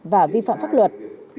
và vi phạm pháp luật